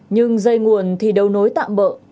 nhưng dây nguồn thì đâu nối tạm bỡ